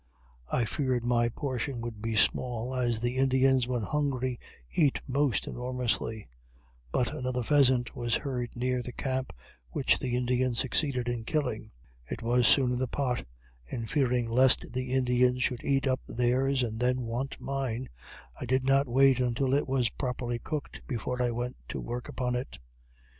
I feared my portion would be small, as the Indians, when hungry, eat most enormously; but another pheasant was heard near the camp, which the Indian succeeded in killing. It was soon in the pot, and fearing lest the Indians should eat up theirs and then want mine, I did not wait until it was properly cooked before I went to work upon it.